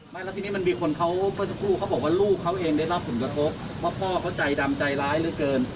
ไม่แล้วที่นี้มันมีคนเขาเขาบอกว่าลูกเขาเองได้รับส่วนกระทบว่าพ่อเขาใจดำใจร้ายเหลือเกิน